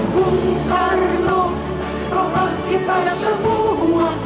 bung karno bapak kita semua